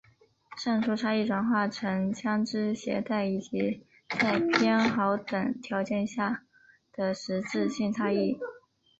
上述差异转化成在枪枝携带以及在偏好等条件以下的实质性差异。